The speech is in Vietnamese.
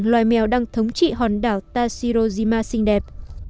loài mèo đang thống trị hòn đảo tashirojima xinh đẹp